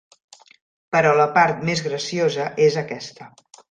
Però la part més graciosa és aquesta.